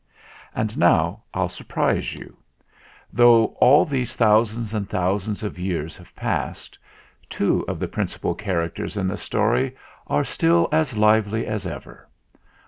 And now I'll surprise you. Though all these thousands and thousands of years have passed, two of the principal characters in the story are still as lively as ever.